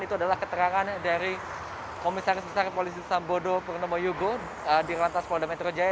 itu adalah keterangan dari komisaris besar polisi sambodo purnomo yogo di lantas polda metro jaya